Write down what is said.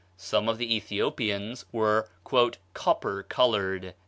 Some of the Ethiopians were "copper colored."